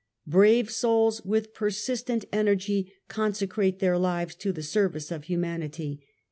Brave souls with persistent energy consecrate their lives to the service of humanity.